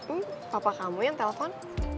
eh apa kamu yang telepon